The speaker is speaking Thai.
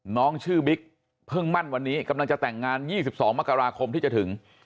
น้องชื่อบิ๊กเพิ่งมั่นวันนี้กำลังจะแต่งงาน๒๒มกราคมที่จะถึง